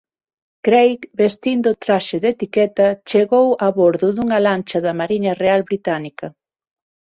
Craig vestindo traxe de etiqueta chegou a bordo dunha lancha da mariña real británica.